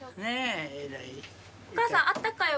お母さんあったかい